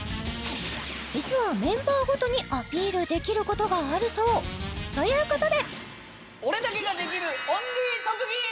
実はメンバーごとにアピールできることがあるそうということで！